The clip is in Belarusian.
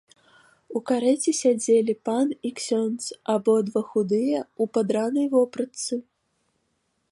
У карэце сядзелі пан і ксёндз, абодва худыя, у падранай вопратцы.